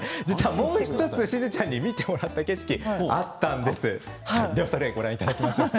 もう１つしずちゃんに見てもらった景色があったんです。